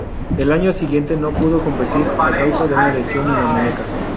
El año siguiente no pudo competir a causa de una lesión en la muñeca.